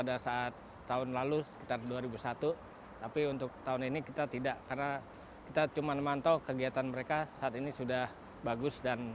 dan berlangganan untuk berbagi